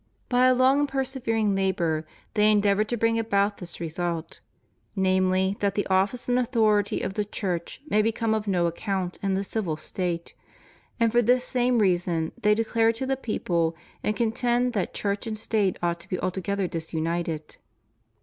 By a long and persever ing labor, they endeavor to bring about this result — namely, that the office and authority of the Church may become of no account in the civil State; and for this same reason they declare to the people and contend that Church and State ought to be altogether disunited.